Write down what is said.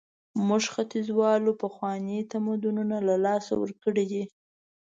موږ ختیځوالو پخواني تمدنونه له لاسه ورکړي.